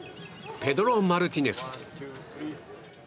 ペドロ・マルティネス。